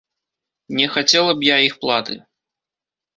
Не хацела б я іх платы.